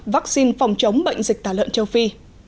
vắc xin phòng chống bệnh dịch tả lợn châu phi